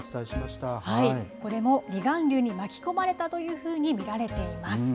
これも離岸流に巻き込まれたというふうに見られています。